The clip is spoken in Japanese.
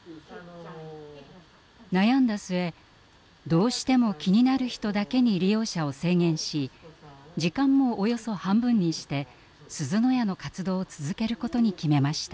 悩んだ末どうしても気になる人だけに利用者を制限し時間もおよそ半分にしてすずの家の活動を続けることに決めました。